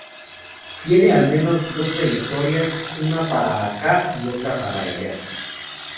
Tiene al menos dos trayectorias, una para acá y otra para allá.